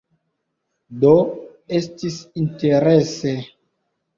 Do, estis interese